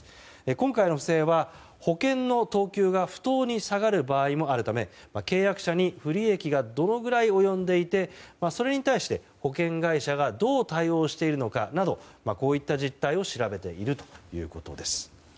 今回の不正は保険の等級が不当に下がる場合もあるため契約者に不利益がどのくらい及んでいてそれに対して、保険会社がどう対応しているのかなどこういった実態を調べているということです。